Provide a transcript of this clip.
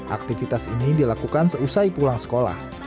aktivitas ini dilakukan seusai pulang sekolah